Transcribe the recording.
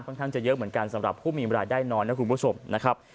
ค่อนข้างจะเยอะเหมือนกันสำหรับผู้มีรายได้นอนนะครับ